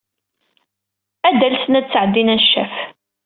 Ad alsen ad d-sɛeddin aneccaf.